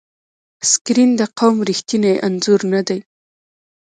سکرین د قوم ریښتینی انځور نه دی.